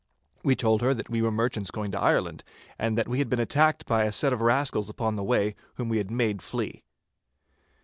We told her that we were merchants going to Ireland, and that we had been attacked by a set of rascals upon the way, whom we had made flee.